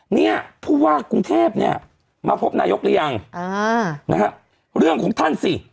เนี่ยผู้ว่ากรุงเทพเนี่ยมาพบนายกหรือยังอ่านะฮะเรื่องของท่านสิ